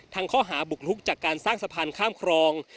ข้อหาบุกลุกจากการสร้างสะพานข้ามครอง